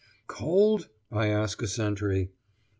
'Cold?' I ask a sentry.